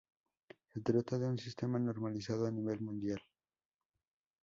Se trata de un sistema normalizado a nivel mundial.